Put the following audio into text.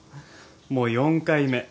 もう４回目。